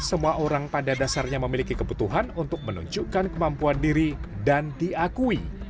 semua orang pada dasarnya memiliki kebutuhan untuk menunjukkan kemampuan diri dan diakui